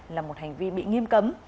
là một hành vi bị nghiêm cấm